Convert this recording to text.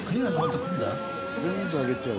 全部あげちゃう。